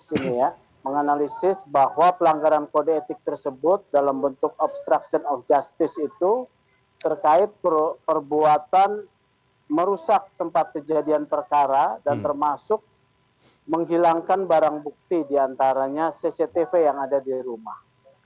di sini ya menganalisis bahwa pelanggaran kode etik tersebut dalam bentuk obstruction of justice itu terkait perbuatan merusak tempat kejadian perkara dan termasuk menghilangkan barang bukti diantaranya cctv yang ada di rumah